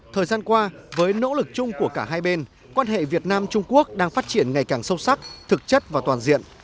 thời gian qua với nỗ lực chung của cả hai bên quan hệ việt nam trung quốc đang phát triển ngày càng sâu sắc thực chất và toàn diện